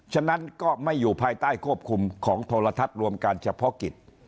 ฉะนั้นก็ไม่อยู่ภายใต้ควบคุมของโทรทัศน์รวมการเฉพาะกิจ